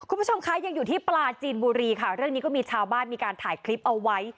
คุณผู้ชมคะยังอยู่ที่ปลาจีนบุรีค่ะเรื่องนี้ก็มีชาวบ้านมีการถ่ายคลิปเอาไว้